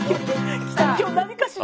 今日何かしら。